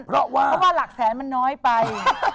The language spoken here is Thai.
เพราะว่าหลักแสนมันน้อยไป